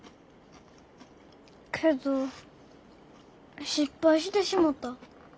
けど失敗してしもた。